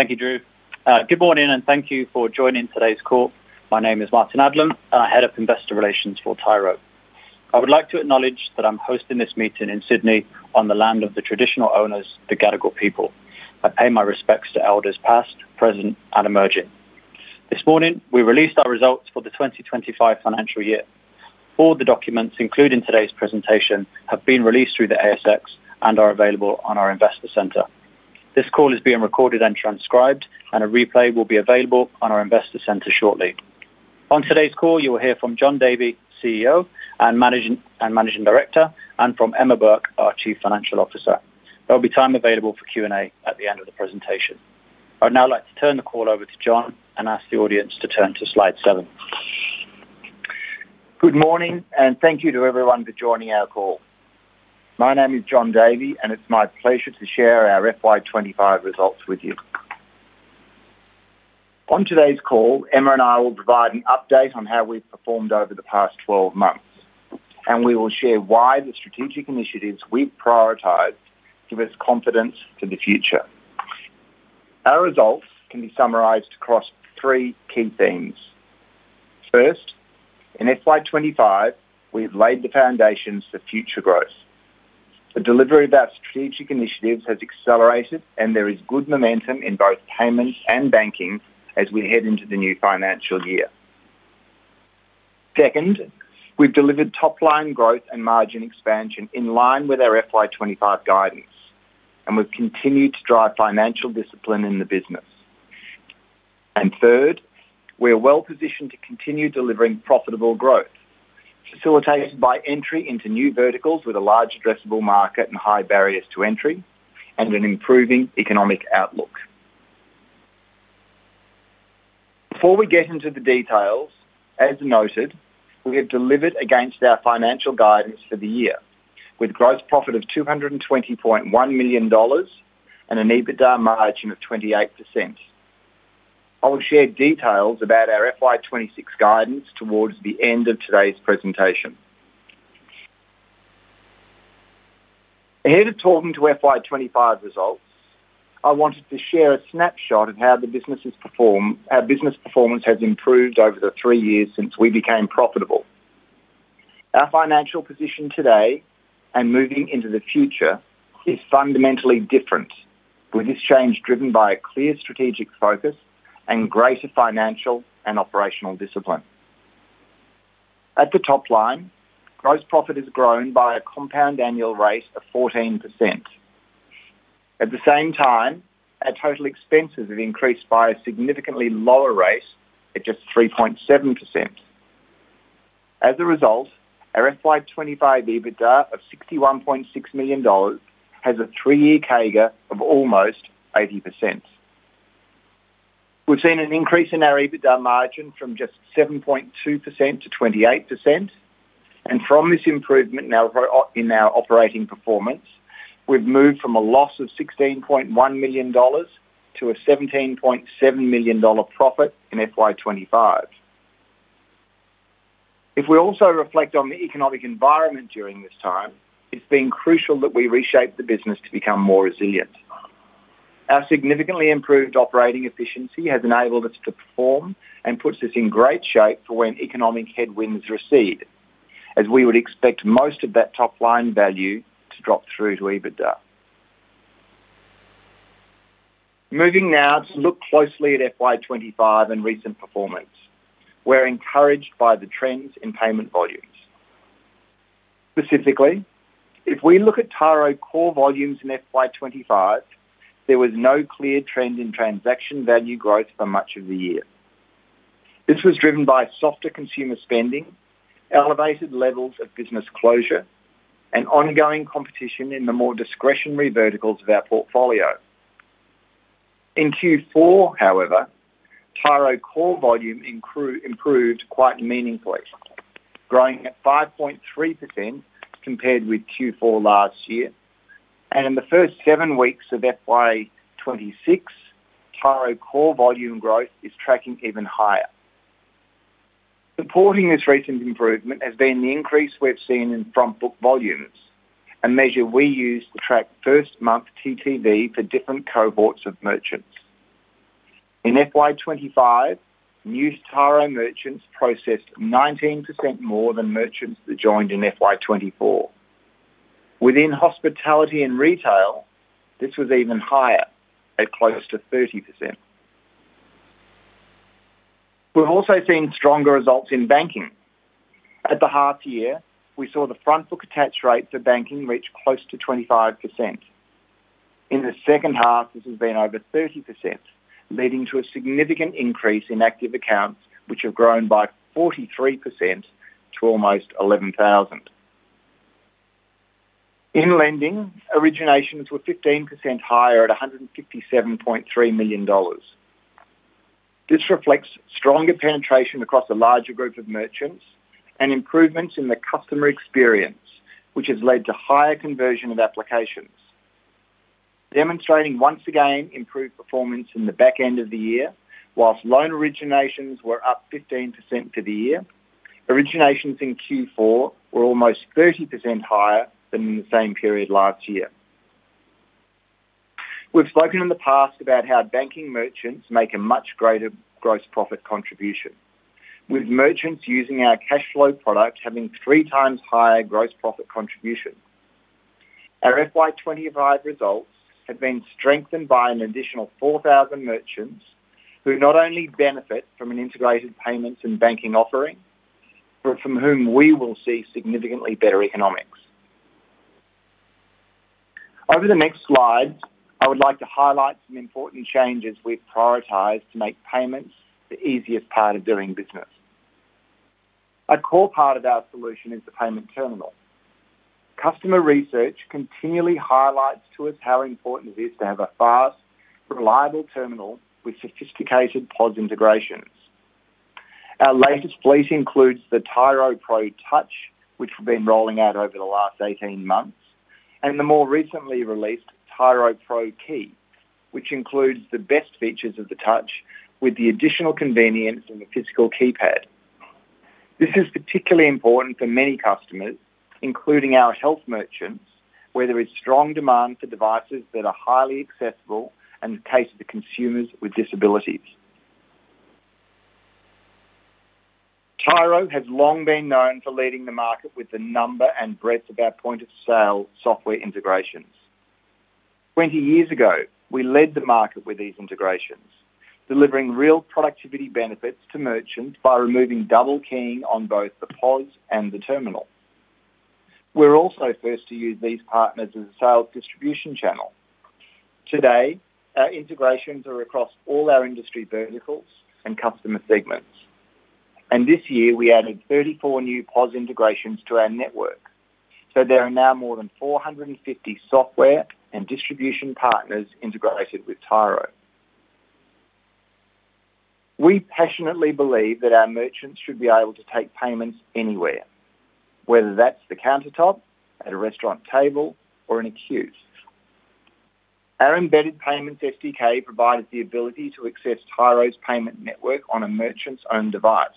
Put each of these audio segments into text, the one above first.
Thank you, Drew. Good morning, and thank you for joining today's call. My name is Martyn Adlam, and I am the Head of Investor Relations for Tyro. I would like to acknowledge that I'm hosting this meeting in Sydney on the land of the traditional owners, the Gadigal people. I pay my respects to elders past, present, and emerging. This morning, we released our results for the 2025 financial year. All the documents included in today's presentation have been released through the ASX and are available on our Investor Centre. This call is being recorded and transcribed, and a replay will be available on our Investor Centre shortly. On today's call, you will hear from Jon Davey, CEO and Managing Director, and from Emma Burke, our Chief Financial Officer. There will be time available for Q&A at the end of the presentation. I would now like to turn the call over to Jon and ask the audience to turn to slide seven. Good morning, and thank you to everyone for joining our call. My name is Jon Davey, and it's my pleasure to share our FY 2025 results with you. On today's call, Emma and I will provide an update on how we've performed over the past 12 months, and we will share why the strategic initiatives we've prioritized give us confidence for the future. Our results can be summarized across three key themes. First, in FY 2025, we have laid the foundations for future growth. The delivery of our strategic initiatives has accelerated, and there is good momentum in both payments and banking as we head into the new financial year. Second, we've delivered top-line growth and margin expansion in line with our FY 2025 guidance, and we've continued to drive financial discipline in the business. Third, we are well-positioned to continue delivering profitable growth, facilitated by entry into new verticals with a large addressable market and high barriers to entry, and an improving economic outlook. Before we get into the details, as noted, we have delivered against our financial guidance for the year, with a gross profit of AUS 220.1 million and an EBITDA margin of 28%. I'll share details about our FY 2026 guidance towards the end of today's presentation. Ahead of talking to FY 2025 results, I wanted to share a snapshot of how the business has performed. Our business performance has improved over the three years since we became profitable. Our financial position today and moving into the future is fundamentally different, with this change driven by a clear strategic focus and greater financial and operational discipline. At the top line, gross profit has grown by a compound annual rate of 14%. At the same time, our total expenses have increased by a significantly lower rate at just 3.7%. As a result, our FY 2025 EBITDA of AUS 61.6 million has a three-year CAGR of almost 80%. We've seen an increase in our EBITDA margin from just 7.2% to 28%, and from this improvement in our operating performance, we've moved from a loss of AUS 16.1 million to a AUS 17.7 million profit in FY 2025. If we also reflect on the economic environment during this time, it's been crucial that we reshape the business to become more resilient. Our significantly improved operating efficiency has enabled us to perform and puts us in great shape for when economic headwinds recede, as we would expect most of that top-line value to drop through to EBITDA. Moving now to look closely at FY 2025 and recent performance, we're encouraged by the trends in payment volumes. Specifically, if we look at Tyro core volumes in FY 2025, there was no clear trend in transaction value growth for much of the year. This was driven by softer consumer spending, elevated levels of business closure, and ongoing competition in the more discretionary verticals of our portfolio. In Q4, however, Tyro core volume improved quite meaningfully, growing at 5.3% compared with Q4 last year. In the first seven weeks of FY 2026, Tyro core volume growth is tracking even higher. Supporting this recent improvement has been the increase we've seen in front book volumes, a measure we use to track first-month TTV for different cohorts of merchants. In FY 2025, new Tyro merchants processed 19% more than merchants that joined in FY 2024. Within hospitality and retail, this was even higher at close to 30%. We've also seen stronger results in banking. At the half year, we saw the front book attached rate for banking reach close to 25%. In the second half, this has been over 30%, leading to a significant increase in active accounts, which have grown by 43% to almost 11,000. In lending, originations were 15% higher at AUS 157.3 million. This reflects stronger penetration across a larger group of merchants and improvements in the customer experience, which has led to higher conversion of applications, demonstrating once again improved performance in the back end of the year. Whilst loan originations were up 15% for the year, originations in Q4 were almost 30% higher than in the same period last year. We've spoken in the past about how banking merchants make a much greater gross profit contribution, with merchants using our cash flow product having 3x higher gross profit contribution. Our FY 2025 results have been strengthened by an additional 4,000 merchants who not only benefit from an integrated payments and banking offering, but from whom we will see significantly better economics. Over the next slides, I would like to highlight some important changes we've prioritised to make payments the easiest part of doing business. A core part of our solution is the payment terminal. Customer research continually highlights to us how important it is to have a fast, reliable terminal with sophisticated POS integrations. Our latest fleet includes the Tyro Pro Touch, which we've been rolling out over the last 18 months, and the more recently released Tyro Pro Key, which includes the best features of the Touch with the additional convenience in the physical keypad. This is particularly important for many customers, including our health merchants, where there is strong demand for devices that are highly accessible and cater to consumers with disabilities. Tyro has long been known for leading the market with the number and breadth of our point-of-sale software integrations. Twenty years ago, we led the market with these integrations, delivering real productivity benefits to merchants by removing double keying on both the POS and the terminal. We were also first to use these partners as a sales distribution channel. Today, our integrations are across all our industry verticals and customer segments. This year, we added 34 new POS integrations to our network, so there are now more than 450 software and distribution partners integrated with Tyro. We passionately believe that our merchants should be able to take payments anywhere, whether that's the countertop, at a restaurant table, or in a queue. Our embedded payments SDK provides the ability to access Tyro's payment network on a merchant's own device.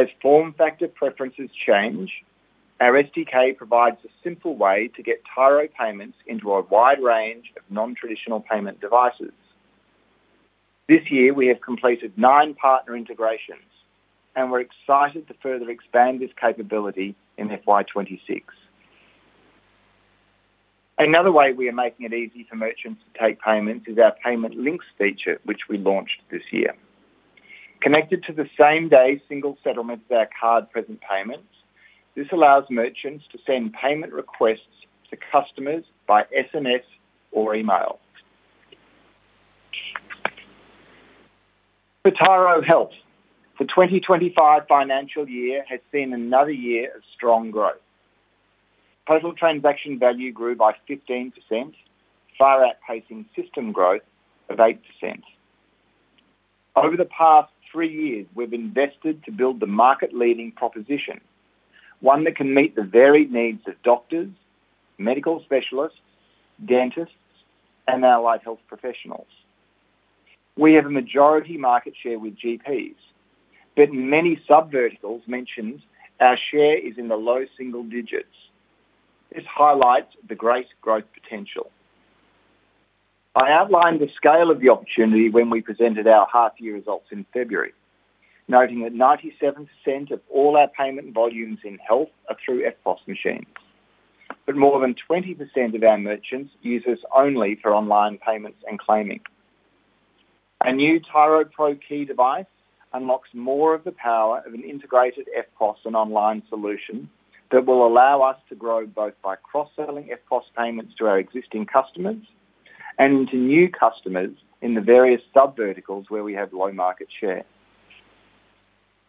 As form factor preferences change, our SDK provides a simple way to get Tyro payments into a wide range of non-traditional payment devices. This year, we have completed nine partner integrations, and we're excited to further expand this capability in FY 2026. Another way we are making it easy for merchants to take payments is our Payment Links feature, which we launched this year. Connected to the same-day single settlement for our card present payments, this allows merchants to send payment requests to customers by SMS or email. For Tyro Health, the 2025 financial year has seen another year of strong growth. Total transaction value grew by 15%, far outpacing system growth of 8%. Over the past three years, we've invested to build the market-leading proposition, one that can meet the varied needs of doctors, medical specialists, dentists, and allied health professionals. We have a majority market share with GPs, but in many sub-verticals mentioned, our share is in the low single digits. This highlights the great growth potential. I outlined the scale of the opportunity when we presented our half-year results in February, noting that 97% of all our payment volumes in health are through POS machines, but more than 20% of our merchants use us only for online payments and claiming. A new Tyro Pro Key device unlocks more of the power of an integrated POS and online solution that will allow us to grow both by cross-selling POS payments to our existing customers and to new customers in the various sub-verticals where we have low market share.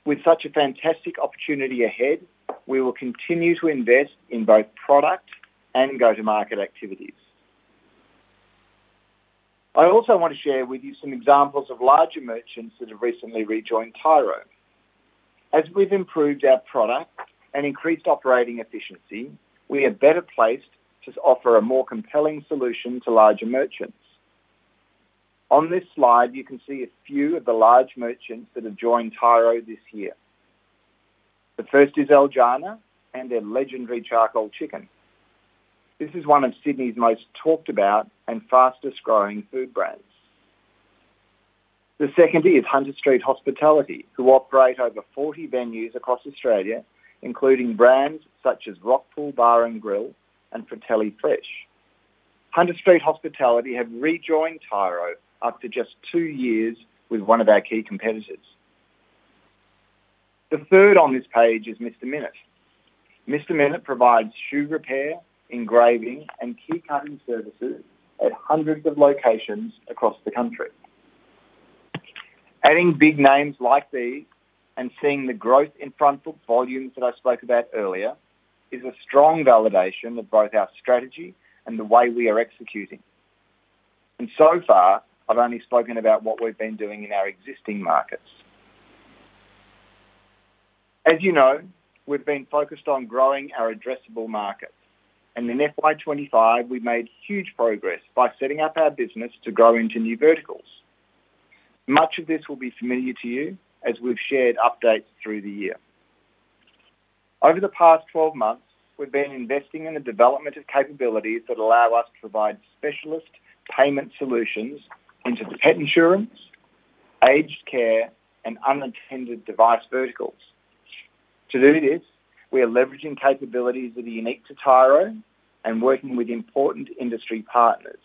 With such a fantastic opportunity ahead, we will continue to invest in both product and go-to-market activities. I also want to share with you some examples of larger merchants that have recently rejoined Tyro. As we've improved our product and increased operating efficiency, we are better placed to offer a more compelling solution to larger merchants. On this slide, you can see a few of the large merchants that have joined Tyro this year. The first is El Jannah and their legendary charcoal chicken. This is one of Sydney's most talked-about and fastest growing food brands. The second is Hunter St. Hospitality, who operate over 40 venues across Australia, including brands such as Rockpool Bar & Grill and Fratelli Fresh. Hunter St. Hospitality have rejoined Tyro after just two years with one of our key competitors. The third on this page is Mister Minit. Mister Minit provides shoe repair, engraving, and key cutting services at hundreds of locations across the country. Adding big names like these and seeing the growth in front book volumes that I spoke about earlier is a strong validation of both our strategy and the way we are executing. So far, I've only spoken about what we've been doing in our existing markets. As you know, we've been focused on growing our addressable market, and in FY 2025, we've made huge progress by setting up our business to grow into new verticals. Much of this will be familiar to you as we've shared updates through the year. Over the past 12 months, we've been investing in the development of capabilities that allow us to provide specialist payment solutions into pet insurance, aged care, and unattended device verticals. To do this, we are leveraging capabilities that are unique to Tyro and working with important industry partners.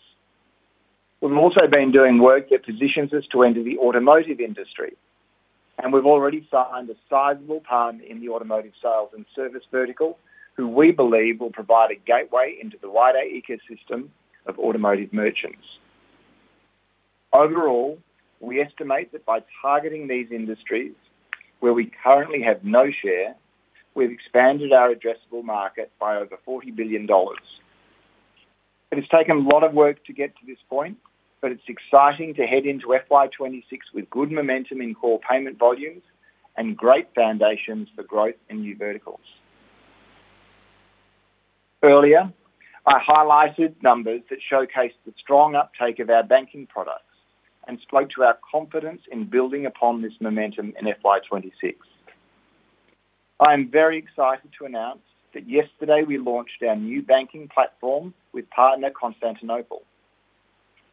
We've also been doing work that positions us to enter the automotive industry, and we've already started understanding a sizable partner in the automotive sales and service vertical, who we believe will provide a gateway into the wider ecosystem of automotive merchants. Overall, we estimate that by targeting these industries where we currently have no share, we've expanded our addressable market by over AUS 40 billion. It has taken a lot of work to get to this point, but it's exciting to head into FY 2026 with good momentum in core payment volumes and great foundations for growth in new verticals. Earlier, I highlighted numbers that showcased the strong uptake of our banking products and spoke to our confidence in building upon this momentum in FY 2026. I am very excited to announce that yesterday we launched our new banking platform with partner Constantinople.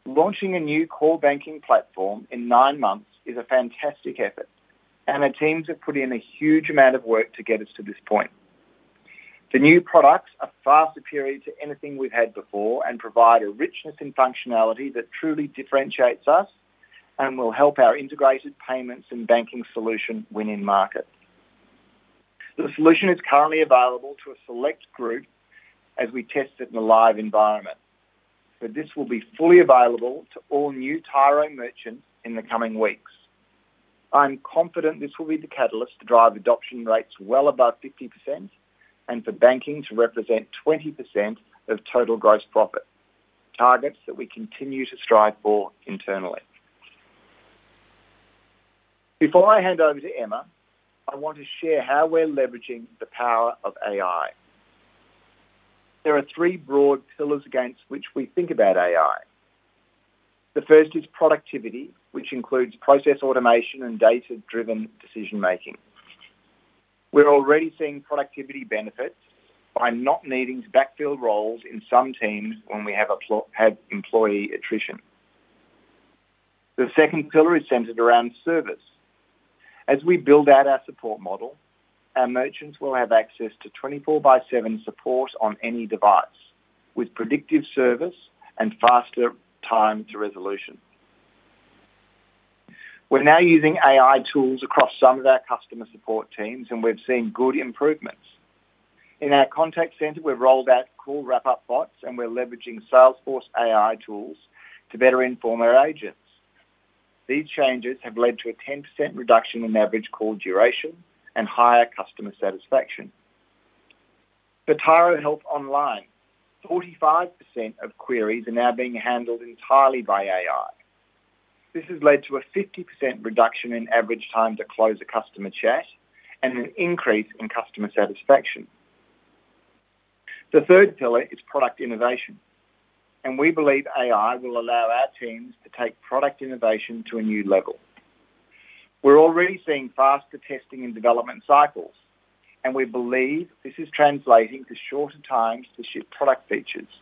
Launching a new core banking platform in nine months is a fantastic effort, and our teams have put in a huge amount of work to get us to this point. The new products are far superior to anything we've had before and provide a richness in functionality that truly differentiates us and will help our integrated payments and banking solution win in market. The solution is currently available to a select group as we test it in a live environment, but this will be fully available to all new Tyro merchants in the coming weeks. I'm confident this will be the catalyst to drive adoption rates well above 50% and for banking to represent 20% of total gross profit, targets that we continue to strive for internally. Before I hand over to Emma, I want to share how we're leveraging the power of AI. There are three broad pillars against which we think about AI. The first is productivity, which includes process automation and data-driven decision-making. We're already seeing productivity benefits by not needing to backfill roles in some teams when we have had employee attrition. The second pillar is centered around service. As we build out our support model, our merchants will have access to 24 by 7 support on any device with predictive service and faster time to resolution. We're now using AI tools across some of our customer support teams, and we've seen good improvements. In our contact center, we've rolled out call wrap-up bots, and we're leveraging Salesforce AI tools to better inform our agents. These changes have led to a 10% reduction in average call duration and higher customer satisfaction. For Tyro Health Online, 45% of queries are now being handled entirely by AI. This has led to a 50% reduction in average time to close a customer chat and an increase in customer satisfaction. The third pillar is product innovation, and we believe AI will allow our teams to take product innovation to a new level. We're already seeing faster testing and development cycles, and we believe this is translating to shorter times to ship product features.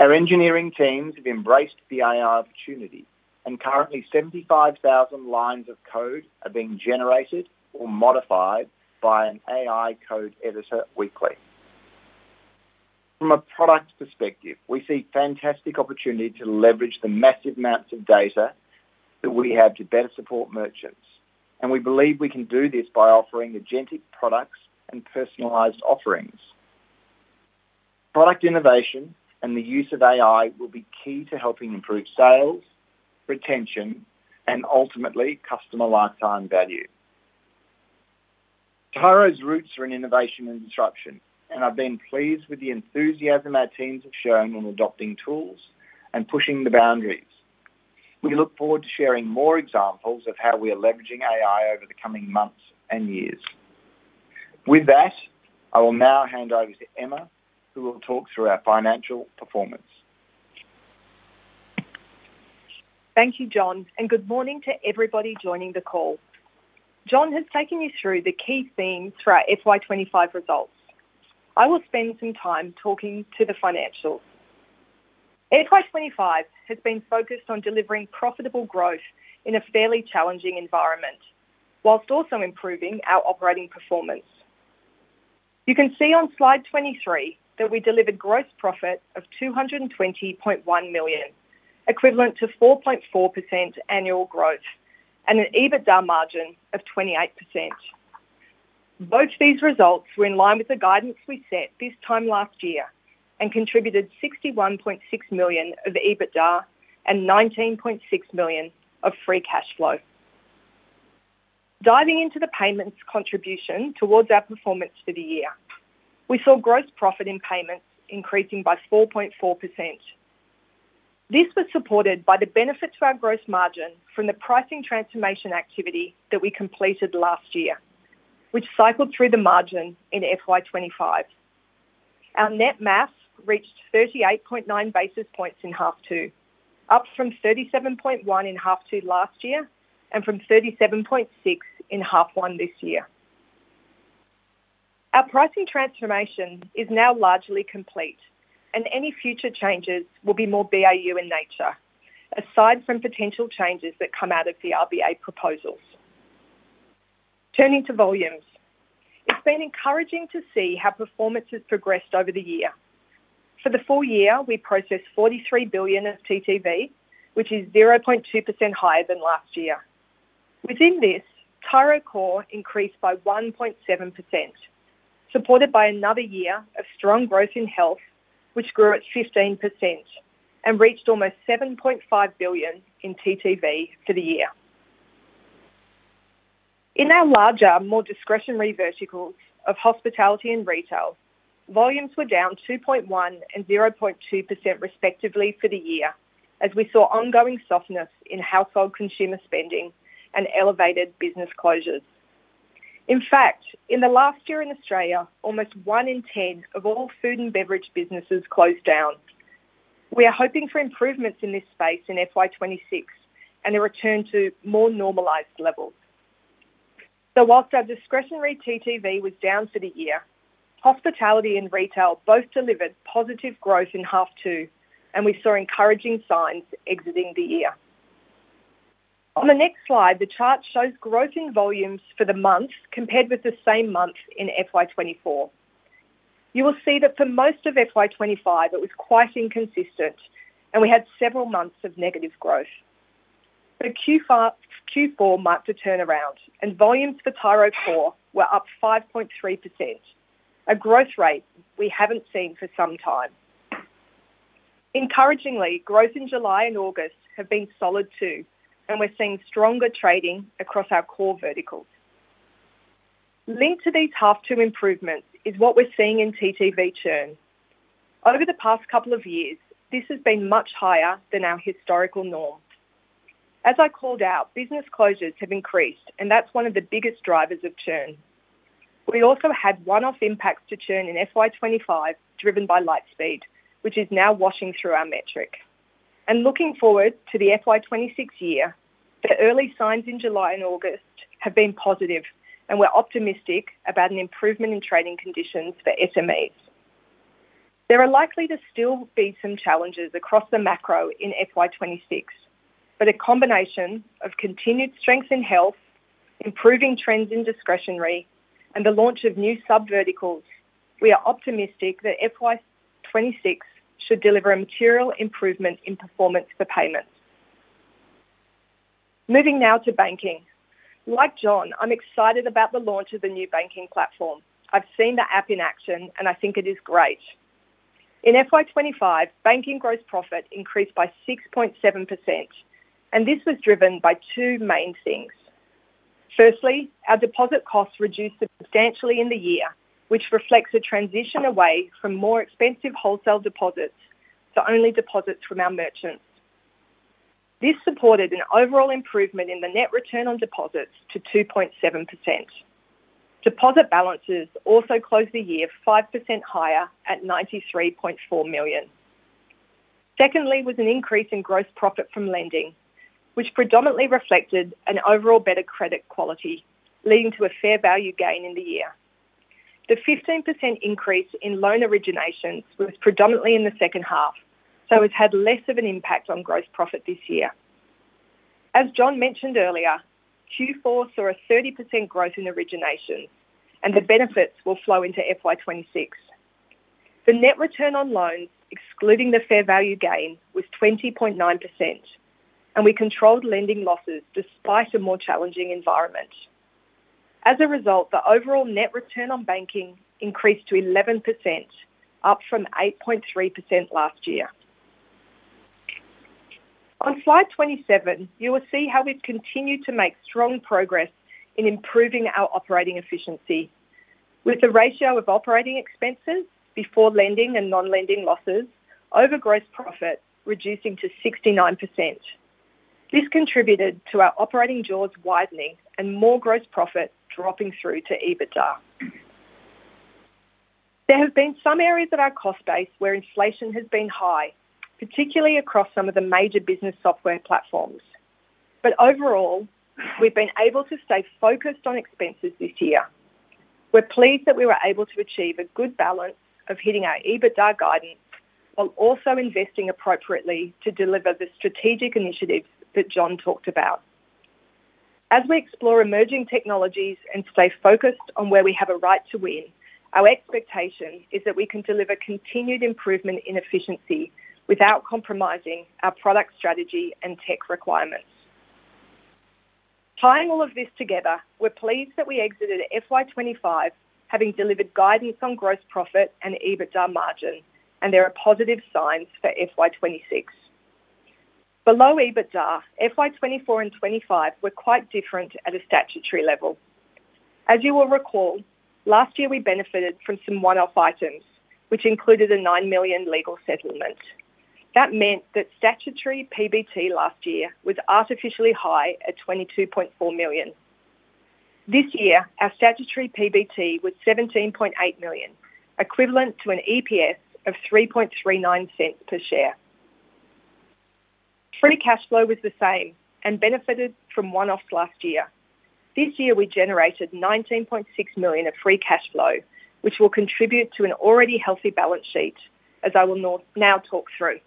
Our engineering teams have embraced the AI opportunity, and currently 75,000 lines of code are being generated or modified by an AI code editor weekly. From a product perspective, we see a fantastic opportunity to leverage the massive amounts of data that we have to better support merchants, and we believe we can do this by offering agentic products and personalized offerings. Product innovation and the use of AI will be key to helping improve sales, retention, and ultimately customer lifetime value. Tyro's roots are in innovation and disruption, and I've been pleased with the enthusiasm our teams have shown on adopting tools and pushing the boundaries. We look forward to sharing more examples of how we are leveraging AI over the coming months and years. With that, I will now hand over to Emma, who will talk through our financial performance. Thank you, Jon, and good morning to everybody joining the call. Jon has taken you through the key themes for our FY 2025 results. I will spend some time talking to the financials. FY 2025 has been focused on delivering profitable growth in a fairly challenging environment, whilst also improving our operating performance. You can see on slide 23 that we delivered gross profit of AUS 220.1 million, equivalent to 4.4% annual growth, and an EBITDA margin of 28%. Both these results were in line with the guidance we set this time last year and contributed AUS 61.6 million of EBITDA and AUS 19.6 million of free cash flow. Diving into the payments contribution towards our performance for the year, we saw gross profit in payments increasing by 4.4%. This was supported by the benefit to our gross margin from the pricing transformation activity that we completed last year, which cycled through the margin in FY 2025. Our net mass reached 38.9 basis points in half two, up from 37.1 in half two last year and from 37.6 in half one this year. Our pricing transformation is now largely complete, and any future changes will be more BAU in nature, aside from potential changes that come out of the RBA proposals. Turning to volumes, it's been encouraging to see how performance has progressed over the year. For the full year, we processed AUS 43 billion of TTV, which is 0.2% higher than last year. Within this, Tyro core increased by 1.7%, supported by another year of strong growth in health, which grew at 15% and reached almost AUS 7.5 billion in TTV for the year. In our larger, more discretionary verticals of hospitality and retail, volumes were down 2.1% and 0.2% respectively for the year, as we saw ongoing softness in household consumer spending and elevated business closures. In fact, in the last year in Australia, almost 1/10 of all food and beverage businesses closed down. We are hoping for improvements in this space in FY 2026 and a return to more normalised levels. Whilst our discretionary TTV was down for the year, hospitality and retail both delivered positive growth in half two, and we saw encouraging signs exiting the year. On the next slide, the chart shows growth in volumes for the month compared with the same month in FY 2024. You will see that for most of FY 2025, it was quite inconsistent, and we had several months of negative growth. Q4 marked a turnaround, and volumes for Tyro core were up 5.3%, a growth rate we haven't seen for some time. Encouragingly, growth in July and August has been solid too, and we're seeing stronger trading across our core verticals. Linked to these half-two improvements is what we're seeing in TTV churn. Over the past couple of years, this has been much higher than our historical norms. As I called out, business closures have increased, and that's one of the biggest drivers of churn. We also had one-off impacts to churn in FY 2025, driven by Lightspeed, which is now washing through our metric. Looking forward to the FY 2026 year, the early signs in July and August have been positive, and we're optimistic about an improvement in trading conditions for SMEs. There are likely to still be some challenges across the macro in FY 2026, but with a combination of continued strength in health, improving trends in discretionary, and the launch of new sub-verticals, we are optimistic that FY 2026 should deliver a material improvement in performance for payments. Moving now to banking. Like Jon, I'm excited about the launch of the new banking platform. I've seen the app in action, and I think it is great. In FY 2025, banking gross profit increased by 6.7%, and this was driven by two main things. Firstly, our deposit costs reduced substantially in the year, which reflects a transition away from more expensive wholesale deposits to only deposits from our merchants. This supported an overall improvement in the net return on deposits to 2.7%. Deposit balances also closed the year 5% higher at AUS 93.4 million. Secondly, there was an increase in gross profit from lending, which predominantly reflected an overall better credit quality, leading to a fair value gain in the year. The 15% increase in loan originations was predominantly in the second half, so it has had less of an impact on gross profit this year. As Jon mentioned earlier, Q4 saw a 30% growth in originations, and the benefits will flow into FY 2026. The net return on loans, excluding the fair value gain, was 20.9%, and we controlled lending losses despite a more challenging environment. As a result, the overall net return on banking increased to 11%, up from 8.3% last year. On slide 27, you will see how we've continued to make strong progress in improving our operating efficiency, with the ratio of operating expenses before lending and non-lending losses over gross profit reducing to 69%. This contributed to our operating jaws widening and more gross profit dropping through to EBITDA. There have been some areas of our cost base where inflation has been high, particularly across some of the major business software platforms. Overall, we've been able to stay focused on expenses this year. We're pleased that we were able to achieve a good balance of hitting our EBITDA guidance while also investing appropriately to deliver the strategic initiatives that Jon talked about. As we explore emerging technologies and stay focused on where we have a right to win, our expectation is that we can deliver continued improvement in efficiency without compromising our product strategy and tech requirements. Tying all of this together, we're pleased that we exited FY 2025 having delivered guidance on gross profit and EBITDA margin, and there are positive signs for FY 2026. Below EBITDA, FY 2024 and FY 2025 were quite different at a statutory level. As you will recall, last year we benefited from some one-off items, which included a AUS 9 million legal settlement. That meant that statutory PBT last year was artificially high at AUS 22.4 million. This year, our statutory PBT was AUS 17.8 million, equivalent to an EPS of AUS 0.0339 per share. Free cash flow was the same and benefited from one-offs last year. This year, we generated AUS 19.6 million of free cash flow, which will contribute to an already healthy balance sheet, as I will now talk through.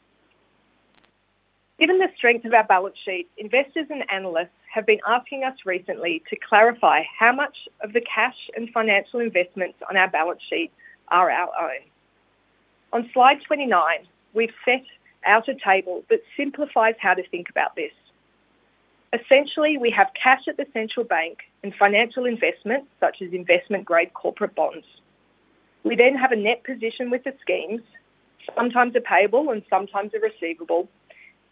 Given the strength of our balance sheet, investors and analysts have been asking us recently to clarify how much of the cash and financial investments on our balance sheet are our own. On slide 29, we've set out a table that simplifies how to think about this. Essentially, we have cash at the central bank and financial investments, such as investment-grade corporate bonds. We then have a net position with its schemes, sometimes a payable and sometimes a receivable.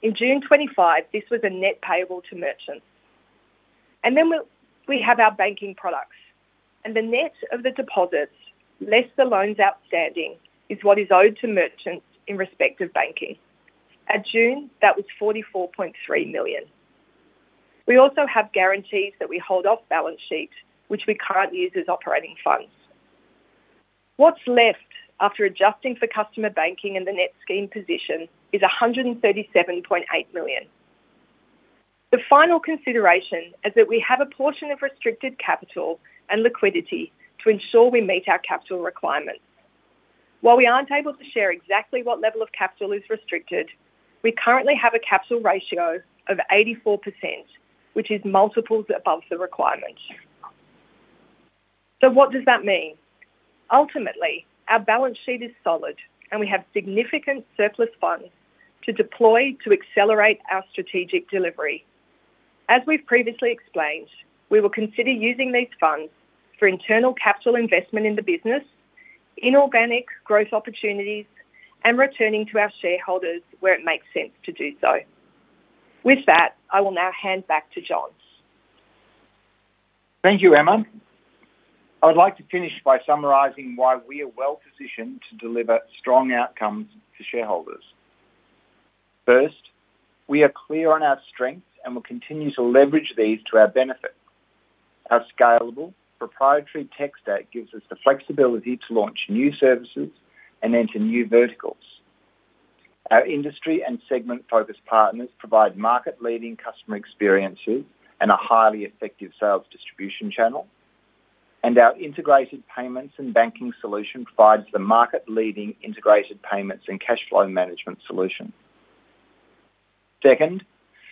In June 2025, this was a net payable to merchants. We have our banking products, and the net of the deposits, less the loans outstanding, is what is owed to merchants in respect of banking. At June, that was AUS 44.3 million. We also have guarantees that we hold off balance sheet, which we can't use as operating funds. What's left after adjusting for customer banking and the net scheme position is AUS 137.8 million. The final consideration is that we have a portion of restricted capital and liquidity to ensure we meet our capital requirements. While we aren't able to share exactly what level of capital is restricted, we currently have a capital ratio of 84%, which is multiples above the requirements. What does that mean? Ultimately, our balance sheet is solid, and we have significant surplus funds to deploy to accelerate our strategic delivery. As we've previously explained, we will consider using these funds for internal capital investment in the business, inorganic growth opportunities, and returning to our shareholders where it makes sense to do so. With that, I will now hand back to Jon. Thank you, Emma. I'd like to finish by summarizing why we are well-positioned to deliver strong outcomes to shareholders. First, we are clear on our strengths and will continue to leverage these to our benefit. Our scalable proprietary tech stack gives us the flexibility to launch new services and enter new verticals. Our industry and segment-focused partners provide market-leading customer experiences and a highly effective sales distribution channel, and our integrated payments and banking solution provides the market-leading integrated payments and cash flow management solution. Second,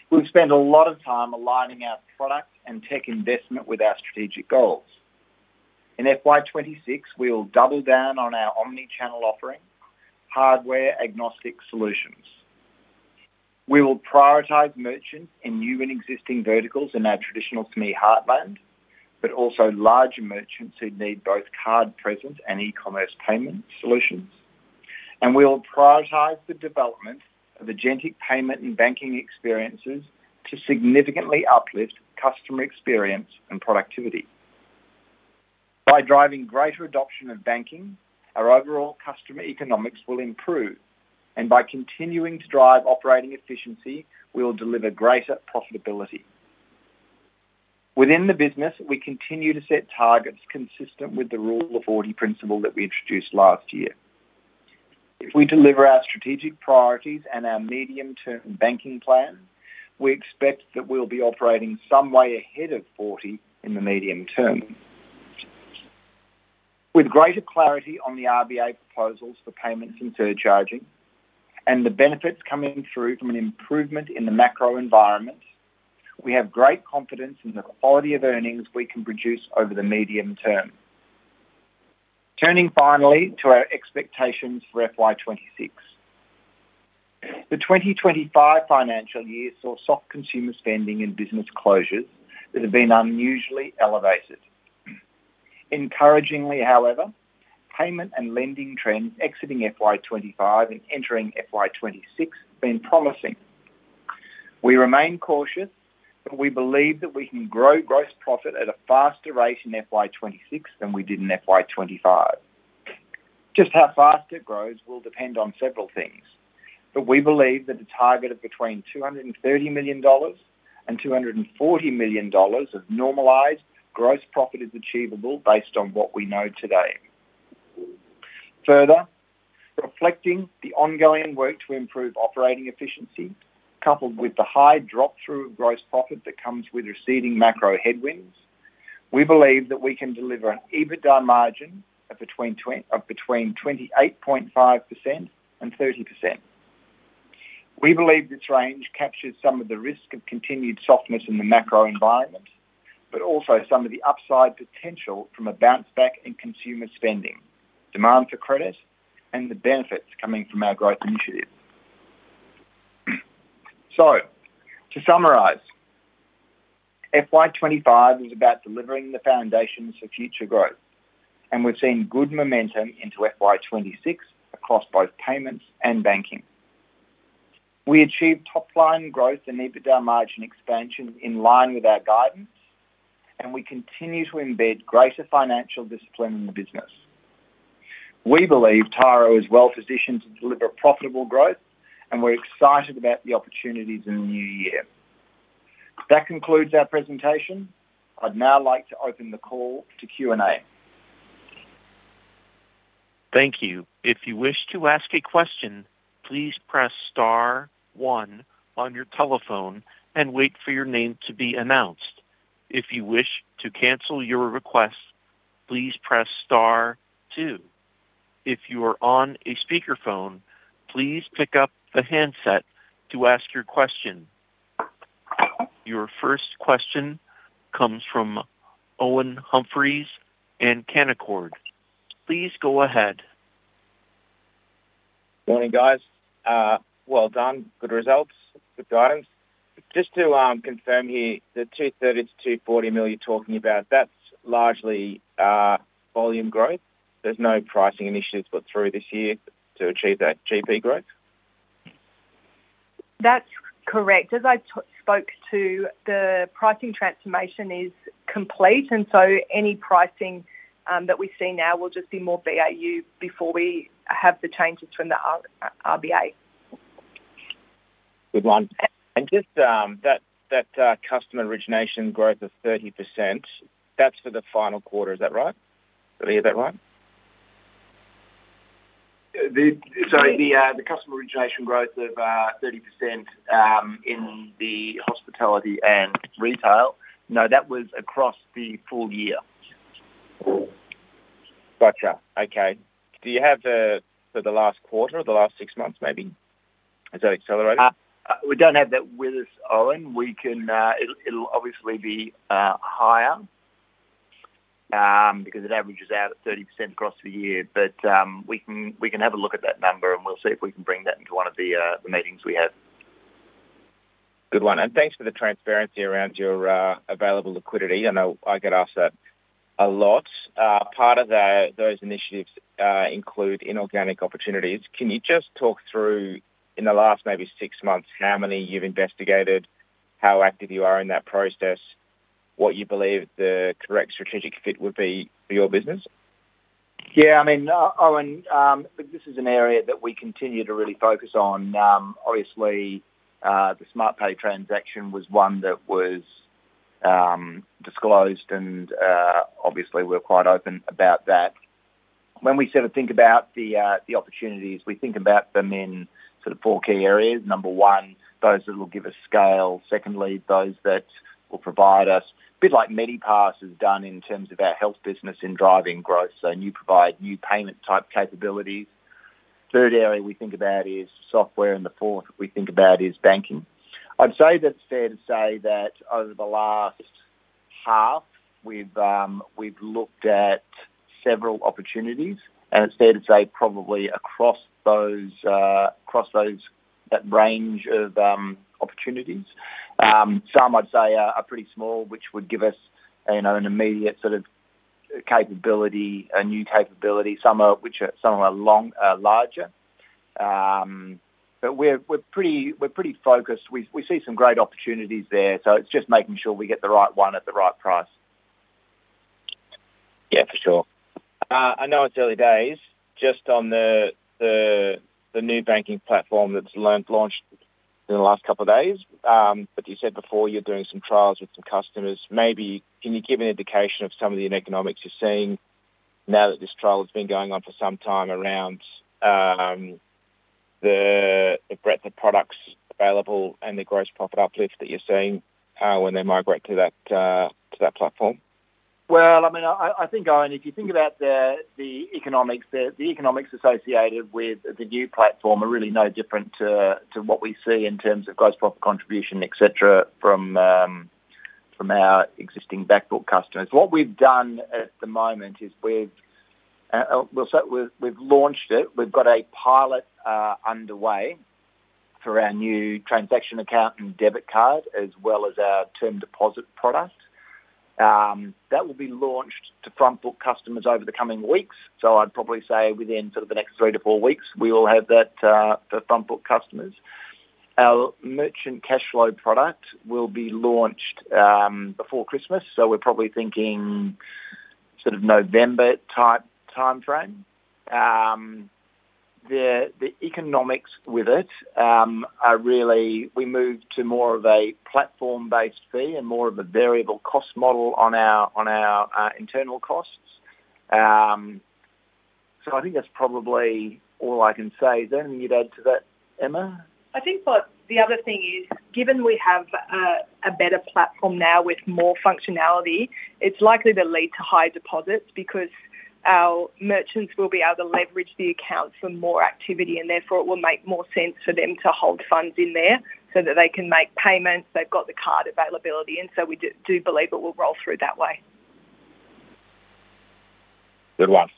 we've spent a lot of time aligning our product and tech investment with our strategic goals. In FY 2026, we will double down on our omnichannel offering, hardware-agnostic solutions. We will prioritize merchants in new and existing verticals in our traditional SME heartland, but also large merchants who need both card presence and e-commerce payment solutions, and we will prioritize the development of agentic payment and banking experiences to significantly uplift customer experience and productivity. By driving greater adoption of banking, our overall customer economics will improve, and by continuing to drive operating efficiency, we will deliver greater profitability. Within the business, we continue to set targets consistent with the rule of 40 principle that we introduced last year. If we deliver our strategic priorities and our medium-term banking plan, we expect that we'll be operating some way ahead of 40 in the medium term. With greater clarity on the RBA proposals for payments and surcharging and the benefits coming through from an improvement in the macro environment, we have great confidence in the quality of earnings we can produce over the medium term. Turning finally to our expectations for FY 2026, the 2025 financial year saw soft consumer spending and business closures that have been unusually elevated. Encouragingly, however, payment and lending trends exiting FY 2025 and entering FY 2026 have been promising. We remain cautious, but we believe that we can grow gross profit at a faster rate in FY 2026 than we did in FY 2025. Just how fast it grows will depend on several things, but we believe that a target of between AUS 230 million-AUS 240 million of normalized gross profit is achievable based on what we know today. Further, reflecting the ongoing work to improve operating efficiency, coupled with the high drop-through of gross profit that comes with receding macro headwinds, we believe that we can deliver an EBITDA margin of between 28.5%-30%. We believe this range captures some of the risk of continued softness in the macro environment, but also some of the upside potential from a bounce-back in consumer spending, demand for credit, and the benefits coming from our growth initiative. To summarize, FY 2025 is about delivering the foundations for future growth, and we've seen good momentum into FY 2026 across both payments and banking. We achieved top-line growth and EBITDA margin expansion in line with our guidance, and we continue to embed greater financial discipline in the business. We believe Tyro is well-positioned to deliver profitable growth, and we're excited about the opportunities in the new year. That concludes our presentation. I'd now like to open the call to Q&A. Thank you. If you wish to ask a question, please press star one on your telephone and wait for your name to be announced. If you wish to cancel your request, please press star two. If you are on a speakerphone, please pick up the handset to ask your question. Your first question comes from Owen Humphries in Canaccord. Please go ahead. Morning guys. Good results. Good guidance. Just to confirm here, the AUS 230 million-AUS 240 million you're talking about, that's largely volume growth. There's no pricing initiatives put through this year to achieve that GP growth. That's correct. As I spoke to, the pricing transformation is complete, and any pricing that we see now will just be more BAU before we have the changes from the RBA. Good one. Just that customer origination growth of 30%, that's for the final quarter, is that right? Did I hear that right? Sorry, the customer origination growth of 30% in the hospitality and retail was across the full year. Gotcha. Okay. Do you have the last quarter or the last six months maybe? Has that accelerated? We don't have that with us, Owen. It'll obviously be higher because it averages out at 30% across the year, but we can have a look at that number and we'll see if we can bring that into one of the meetings we have. Good one. Thanks for the transparency around your available liquidity. I know I get asked that a lot. Part of those initiatives include inorganic opportunities. Can you just talk through in the last maybe six months how many you've investigated, how active you are in that process, what you believe the correct strategic fit would be for your business? Yeah, I mean, Owen, this is an area that we continue to really focus on. Obviously, the SmartPay transaction was one that was disclosed, and obviously we're quite open about that. When we sort of think about the opportunities, we think about them in sort of four key areas. Number one, those that will give us scale. Secondly, those that will provide us a bit like Medipass has done in terms of our health business in driving growth, so you provide new payment type capabilities. Third area we think about is software, and the fourth we think about is banking. I'd say that it's fair to say that over the last half, we've looked at several opportunities, and it's fair to say probably across those that range of opportunities. Some I'd say are pretty small, which would give us an immediate sort of capability, a new capability, some of which are some of our larger. We're pretty focused. We see some great opportunities there, it's just making sure we get the right one at the right price. Yeah, for sure. I know it's early days, just on the new core banking platform that's launched in the last couple of days, but you said before you're doing some trials with some customers. Maybe can you give an indication of some of the economics you're seeing now that this trial has been going on for some time around the breadth of products available and the gross profit uplift that you're seeing when they migrate to that platform? I think, Owen, if you think about the economics, the economics associated with the new platform are really no different to what we see in terms of gross profit contribution, etc., from our existing back book customers. What we've done at the moment is we've launched it. We've got a pilot underway for our new transaction account and debit card, as well as our term deposit product. That will be launched to front book customers over the coming weeks. I'd probably say within sort of the next three to four weeks, we will have that for front book customers. Our merchant cash flow product will be launched before Christmas, so we're probably thinking sort of November type timeframe. The economics with it are really, we moved to more of a platform-based fee and more of a variable cost model on our internal costs. I think that's probably all I can say. Is there anything you'd add to that, Emma? I think what the other thing is, given we have a better platform now with more functionality, it's likely to lead to high deposits because our merchants will be able to leverage the accounts for more activity, and therefore it will make more sense for them to hold funds in there so that they can make payments. They've got the card availability, and we do believe it will roll through that way. Good one.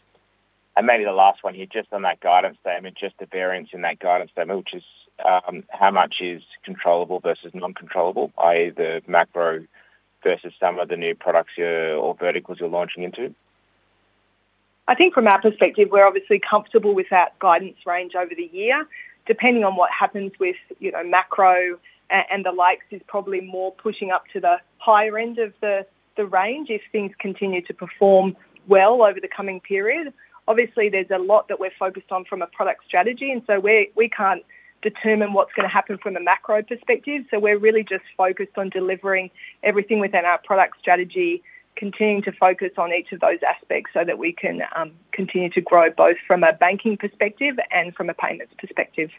Maybe the last one here, just on that guidance statement, just the variance in that guidance statement, which is how much is controllable versus non-controllable, i.e. the macro versus some of the new products or verticals you're launching into? I think from our perspective, we're obviously comfortable with that guidance range over the year. Depending on what happens with macro and the likes, it's probably more pushing up to the higher end of the range if things continue to perform well over the coming period. There's a lot that we're focused on from a product strategy, and we can't determine what's going to happen from a macro perspective. We're really just focused on delivering everything within our product strategy, continuing to focus on each of those aspects so that we can continue to grow both from a banking perspective and from a payments perspective.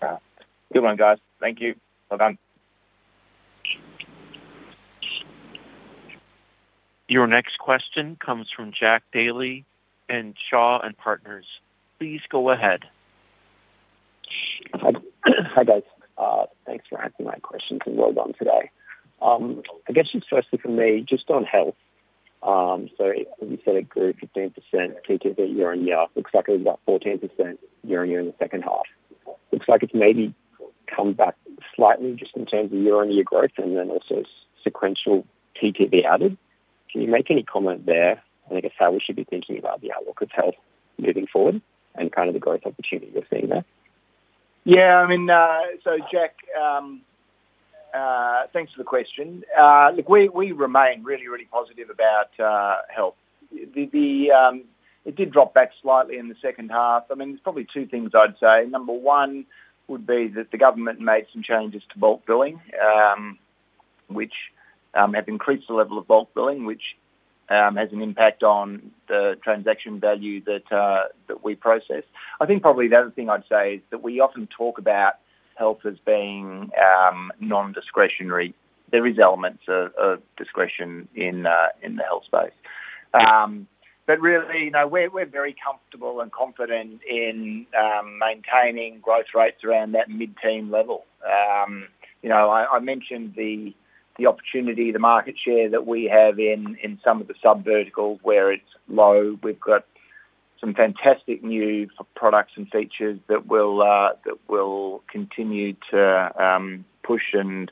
Good one, guys. Thank you. Well done. Your next question comes from Jack Daley at Shaw and Partners. Please go ahead. Hi, David. Thanks for asking my questions and well done today. I guess just firstly for me, just on health. You said it grew 15% TTV year-on-year. It looks like it was about 14% year-on-year in the second half. It looks like it's maybe come back slightly just in terms of year-on-year growth and also sequential TTV added. Can you make any comment there? I guess how we should be thinking about the outlook of health moving forward and kind of the growth opportunity we're seeing there? Yeah, I mean, so Jack, thanks for the question. We remain really, really positive about health. It did drop back slightly in the second half. There are probably two things I'd say. Number one would be that the government made some changes to bulk billing, which have increased the level of bulk billing, which has an impact on the transaction value that we process. I think probably the other thing I'd say is that we often talk about health as being non-discretionary. There are elements of discretion in the health space. We're very comfortable and confident in maintaining growth rates around that mid-teen level. I mentioned the opportunity, the market share that we have in some of the sub-verticals where it's low. We've got some fantastic new products and features that will continue to push and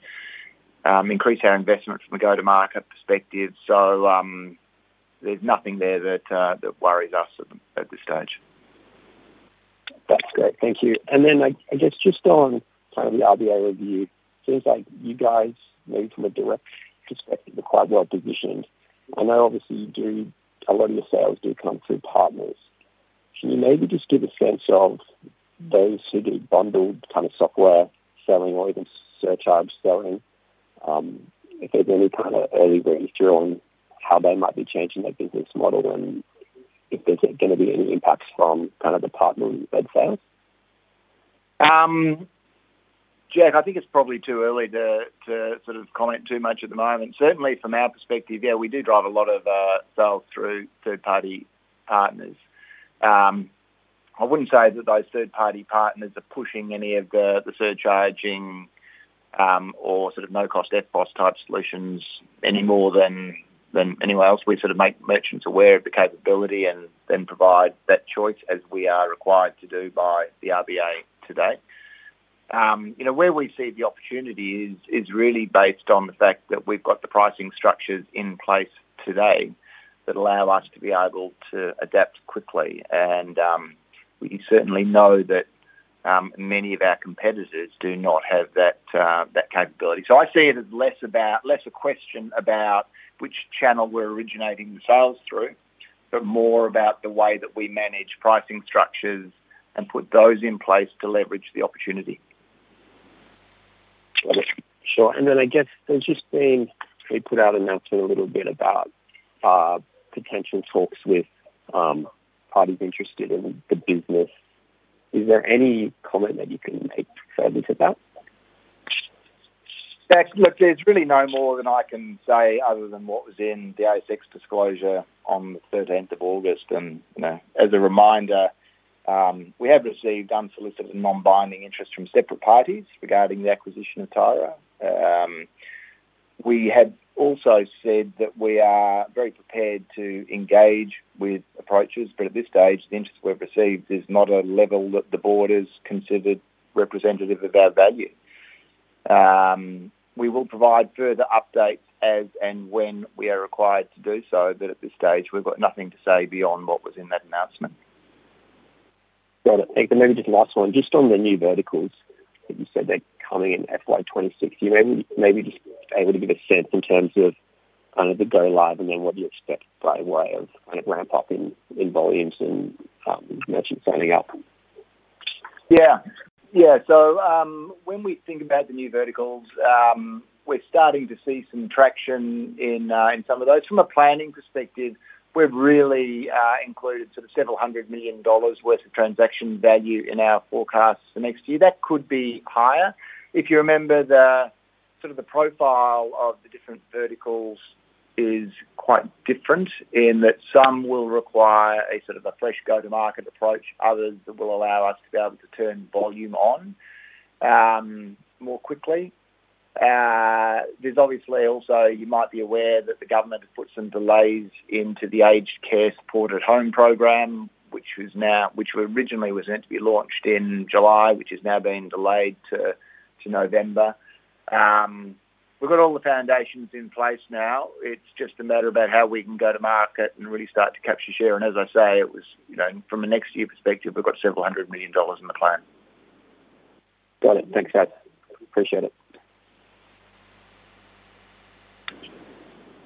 increase our investment from a go-to-market perspective. There's nothing there that worries us at this stage. That's great. Thank you. I guess just on the RBA review, it seems like you guys moved from a direct perspective to quite well-positioned. I know obviously you do a lot of your sales do come through partners. Can you maybe just give a sense of those who do bundled kind of software selling or even surcharge selling? If there's any kind of early reading through on how they might be changing their business model and if there's going to be any impacts from the partner and the bed sale? Jack, I think it's probably too early to comment too much at the moment. Certainly from our perspective, we do drive a lot of sales through third-party partners. I wouldn't say that those third-party partners are pushing any of the surcharging or no-cost ePass type solutions any more than anywhere else. We make merchants aware of the capability and then provide that choice as we are required to do by the RBA today. Where we see the opportunity is really based on the fact that we've got the pricing structures in place today that allow us to be able to adapt quickly. We certainly know that many of our competitors do not have that capability. I see it as less a question about which channel we're originating the sales through, but more about the way that we manage pricing structures and put those in place to leverage the opportunity. Sure. I guess I've just seen we put out an announcement a little bit about potential talks with parties interested in the business. Is there any comment that you can make further to that? Look, there's really no more than I can say other than what was in the ASX disclosure on the 13th of August. As a reminder, we have received unsolicited and non-binding interest from separate parties regarding the acquisition of Tyro. We had also said that we are very prepared to engage with approaches, but at this stage, the interest we've received is not at a level that the board has considered representative of our value. We will provide further updates as and when we are required to do so, but at this stage, we've got nothing to say beyond what was in that announcement. Got it. Maybe just the last one, just on the new verticals that you said that are coming in FY 2026, you maybe just be able to give a sense in terms of kind of the go-live, and then what do you expect by the way of kind of ramp up in volumes and merchants signing up? Yeah. Yeah. When we think about the new verticals, we're starting to see some traction in some of those. From a planning perspective, we've really included several hundred million dollars' worth of transaction value in our forecast for next year. That could be higher. If you remember, the profile of the different verticals is quite different in that some will require a fresh go-to-market approach, others will allow us to be able to turn volume on more quickly. Obviously, you might be aware that the government has put some delays into the aged care support at home program, which originally was meant to be launched in July, which has now been delayed to November. We've got all the foundations in place now. It's just a matter of how we can go to market and really start to capture share. As I say, from a next year perspective, we've got several hundred million dollars in the plan. Got it. Thanks, Jack. Appreciate it.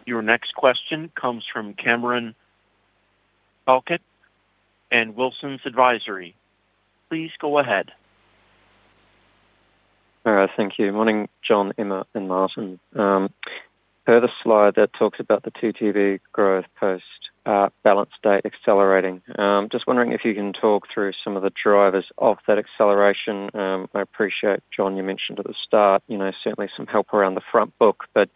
Your next question comes from Cameron Halkett at Wilsons Advisory. Please go ahead. All right. Thank you. Morning, Jon, Emma, and Martyn. I heard a slide that talks about the TTV growth post-balance date accelerating. I'm just wondering if you can talk through some of the drivers of that acceleration. I appreciate, Jon, you mentioned at the start, you know, certainly some help around the front book, but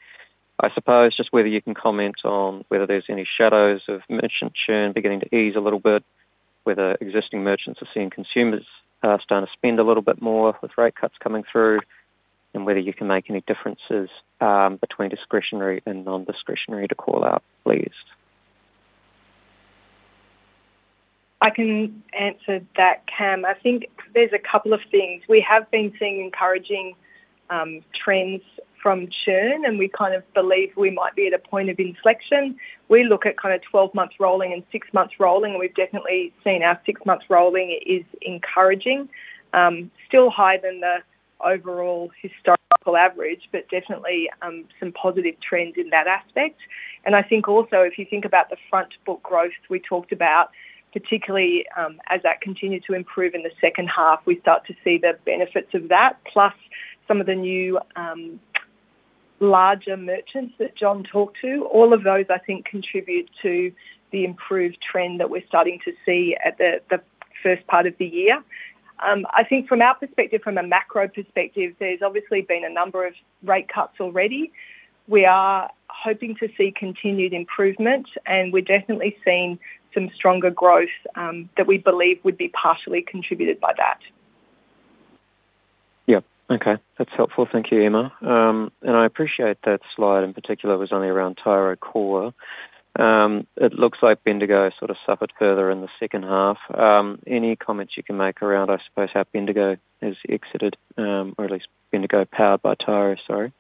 I suppose just whether you can comment on whether there's any shadows of merchant churn beginning to ease a little bit, whether existing merchants are seeing consumers starting to spend a little bit more with rate cuts coming through, and whether you can make any differences between discretionary and non-discretionary to call out, please. I can answer that, Cam. I think there's a couple of things. We have been seeing encouraging trends from churn, and we kind of believe we might be at a point of inflection. We look at kind of 12-month rolling and 6-month rolling, and we've definitely seen our 6-month rolling is encouraging. Still higher than the overall historical average, but definitely some positive trends in that aspect. I think also, if you think about the front book growth we talked about, particularly as that continues to improve in the second half, we start to see the benefits of that, plus some of the new larger merchants that Jon talked to. All of those, I think, contribute to the improved trend that we're starting to see at the first part of the year. I think from our perspective, from a macro perspective, there's obviously been a number of rate cuts already. We are hoping to see continued improvement, and we're definitely seeing some stronger growth that we believe would be partially contributed by that. Yeah. Okay. That's helpful. Thank you, Emma. I appreciate that slide in particular was only around Tyro core. It looks like Bendigo sort of suffered further in the second half. Any comments you can make around, I suppose, how Bendigo has exited, or at least Bendigo powered by Tyro, sorry,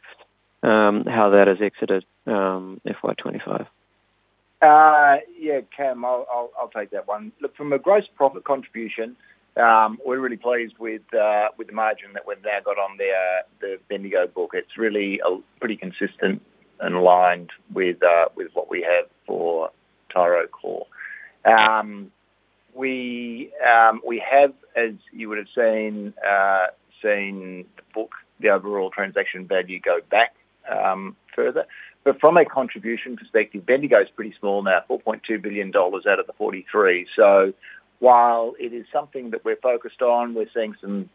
how that has exited FY 2025? Yeah, Cam, I'll take that one. Look, from a gross profit contribution, we're really pleased with the margin that we've now got on the Bendigo book. It's really pretty consistent and aligned with what we have for Tyro core. We have, as you would have seen, seen the book, the overall transaction value go back further. From a contribution perspective, Bendigo is pretty small now, AUS 4.2 billion out of the AUS 43 billion. While it is something that we're focused on, we're seeing some,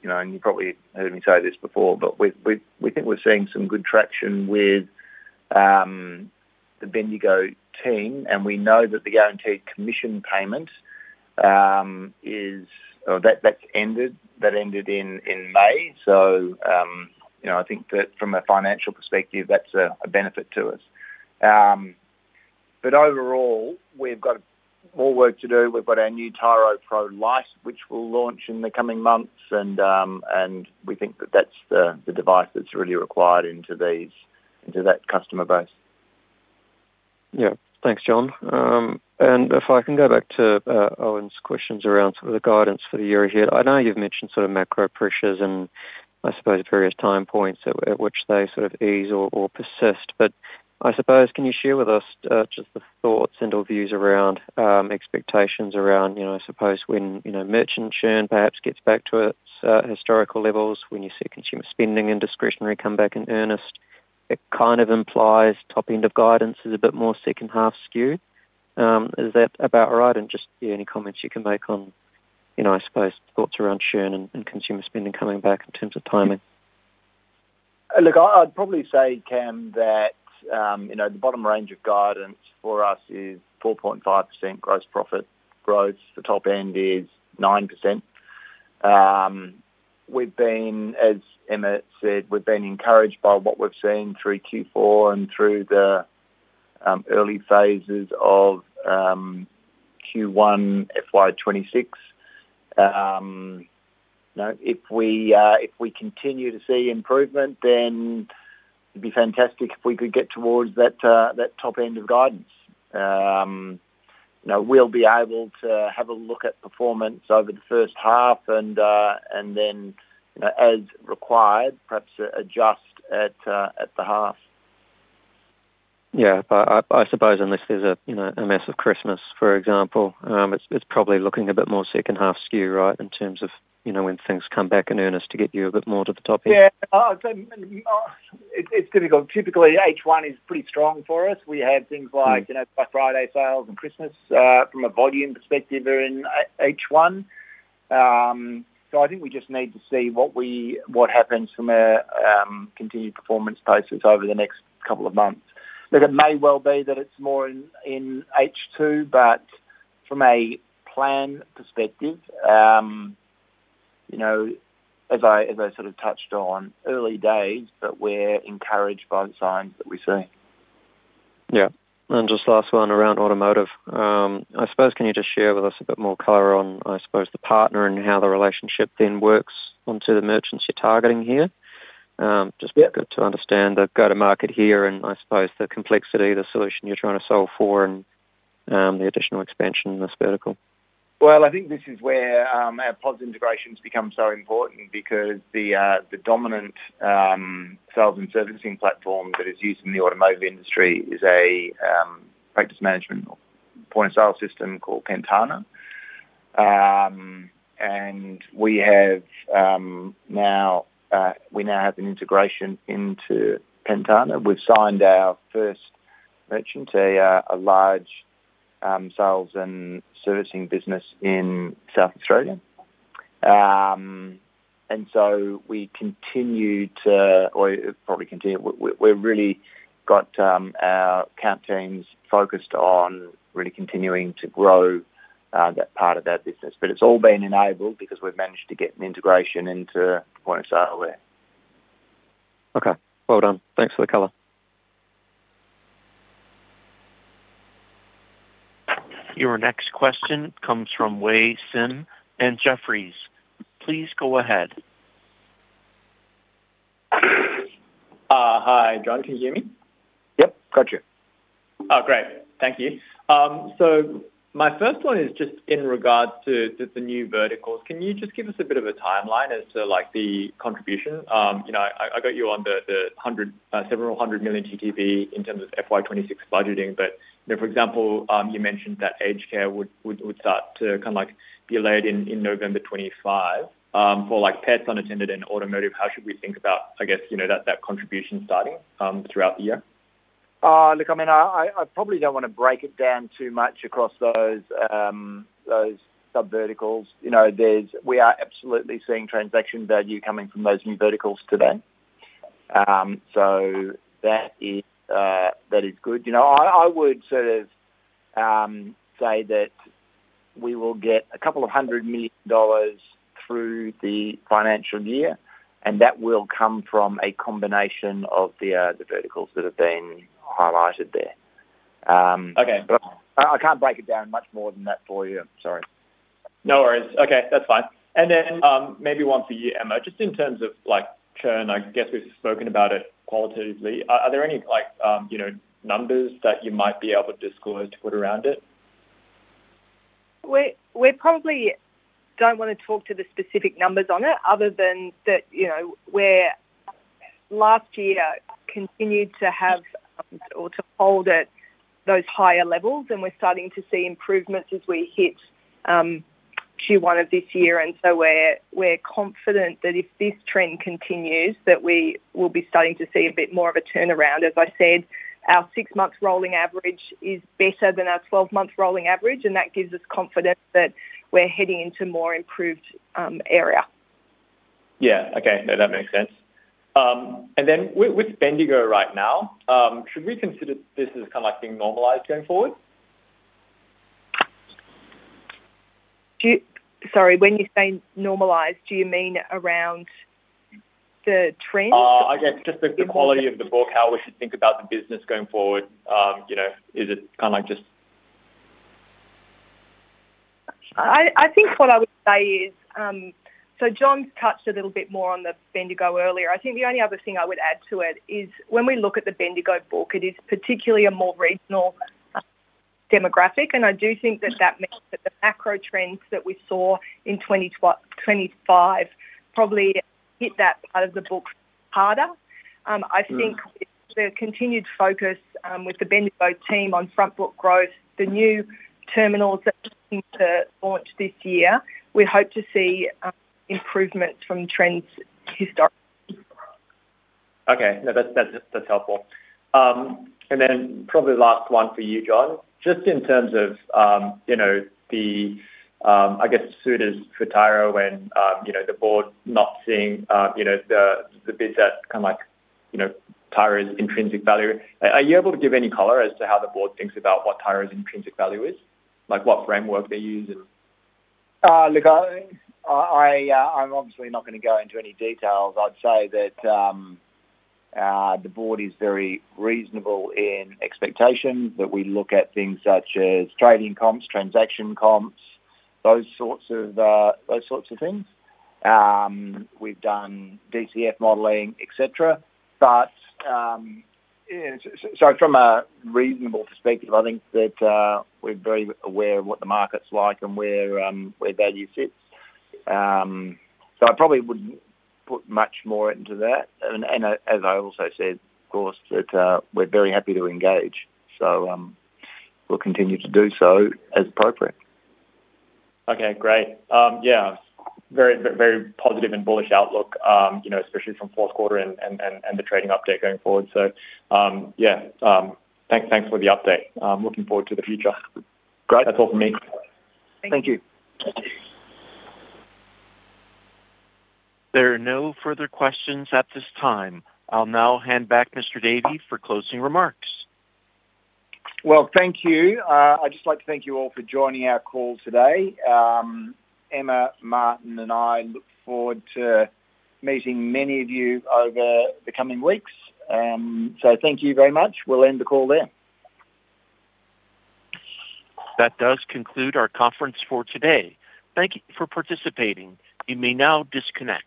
you know, we think we're seeing some good traction with the Bendigo team. We know that the guaranteed commission payment is, or that's ended, that ended in May. I think that from a financial perspective, that's a benefit to us. Overall, we've got more work to do. We've got our new Tyro Pro Lite, which will launch in the coming months, and we think that that's the device that's really required into that customer base. Yeah. Thanks, Jon. If I can go back to Owen's questions around the guidance for the year ahead, I know you've mentioned macro pressures and various time points at which they ease or persist. I suppose, can you share with us the thoughts and/or views around expectations around, you know, when merchant churn perhaps gets back to its historical levels, when you see consumer spending and discretionary come back in earnest? It kind of implies top-end of guidance is a bit more second half skew. Is that about right? Any comments you can make on thoughts around churn and consumer spending coming back in terms of timing? Look, I'd probably say, Cam, that you know the bottom range of guidance for us is 4.5% gross profit growth. The top end is 9%. We've been, as Emma said, we've been encouraged by what we've seen through Q4 and through the early phases of Q1 FY 2026. If we continue to see improvement, then it'd be fantastic if we could get towards that top end of guidance. We'll be able to have a look at performance over the first half and then, you know, as required, perhaps adjust at the half. Yeah, I suppose unless there's a massive Christmas, for example, it's probably looking a bit more second half skew, right, in terms of, you know, when things come back in earnest to get you a bit more to the top end. Yeah, I'd say it's difficult. Typically, H1 is pretty strong for us. We had things like, you know, Black Friday sales and Christmas from a volume perspective are in H1. I think we just need to see what happens from a continued performance basis over the next couple of months. It may well be that it's more in H2, but from a plan perspective, as I sort of touched on, early days, but we're encouraged by the signs that we see. Yeah, just last one around automotive. I suppose, can you share with us a bit more color on the partner and how the relationship then works onto the merchants you're targeting here? Yeah. Just be good to understand the go-to-market here, and I suppose the complexity of the solution you're trying to solve for and the additional expansion in this vertical. I think this is where our POS integrations become so important because the dominant sales and servicing platform that is used in the automotive industry is a practice management or point-of-sale system called Pentana. We now have an integration into Pentana. We've signed our first merchant to a large sales and servicing business in South Australia, and we have our account teams focused on really continuing to grow that part of the business. It's all been enabled because we've managed to get an integration into point-of-sale there. Okay. Thanks for the color. Your next question comes from Wei Sim at Jefferies. Please go ahead. Hi, Jon, can you hear me? Got you. Oh, great. Thank you. My first one is just in regards to the new verticals. Can you just give us a bit of a timeline as to the contribution? I got you on the several hundred million total transaction value in terms of FY 2026 budgeting, but for example, you mentioned that aged care would start to be laid in November 2025 for pets unattended and automotive. How should we think about that contribution starting throughout the year? I probably don't want to break it down too much across those sub-verticals. We are absolutely seeing transaction value coming from those new verticals today. That is good. I would sort of say that we will get a couple of hundred million dollars through the financial year, and that will come from a combination of the verticals that have been highlighted there. I can't break it down much more than that for you. Sorry. No worries. Okay, that's fine. Maybe one for you, Emma. Just in terms of churn, I guess we've spoken about it qualitatively. Are there any numbers that you might be able to disclose to put around it? We probably don't want to talk to the specific numbers on it other than that, you know, last year continued to have or to hold at those higher levels, and we're starting to see improvements as we hit Q1 of this year. We're confident that if this trend continues, we will be starting to see a bit more of a turnaround. As I said, our 6-month rolling average is better than our 12-month rolling average, and that gives us confidence that we're heading into a more improved area. Okay. No, that makes sense. With Bendigo right now, should we consider this as kind of like being normalized going forward? Sorry, when you say normalised, do you mean around the trend? I guess just the quality of the book, how we should think about the business going forward. You know, is it kind of like just? I think what I would say is, Jon touched a little bit more on the Bendigo earlier. I think the only other thing I would add to it is when we look at the Bendigo book, it is particularly a more regional demographic. I do think that means the macro trends that we saw in 2025 probably hit that part of the book harder. I think with the continued focus with the Bendigo team on front book growth and the new terminals that we're looking to launch this year, we hope to see improvements from trends historically. Okay. No, that's helpful. Probably the last one for you, Jon, just in terms of the, I guess, suit is for Tyro and the board not seeing the bids that kind of like Tyro's intrinsic value. Are you able to give any color as to how the board thinks about what Tyro's intrinsic value is, like what framework they use? Look, I'm obviously not going to go into any details. I'd say that the Board is very reasonable in expectations that we look at things such as trading comps, transaction comps, those sorts of things. We've done DCF modeling, etc. From a reasonable perspective, I think that we're very aware of what the market's like and where value sits. I probably wouldn't put much more into that. As I also said, of course, we're very happy to engage. We'll continue to do so as appropriate. Okay, great. Very, very positive and bullish outlook, especially from fourth quarter and the trading update going forward. Thanks for the update. Looking forward to the future. Great, that's all from me. Thank you. There are no further questions at this time. I'll now hand back to Mr. Davey for closing remarks. Thank you. I'd just like to thank you all for joining our call today. Emma, Martyn, and I look forward to meeting many of you over the coming weeks. Thank you very much. We'll end the call there. That does conclude our conference for today. Thank you for participating. You may now disconnect.